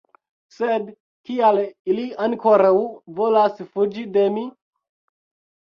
Sed kial ili ankoraŭ volas fuĝi de mi?